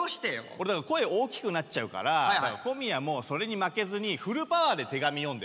俺だから声大きくなっちゃうから小宮もそれに負けずにフルパワーで手紙読んでよ。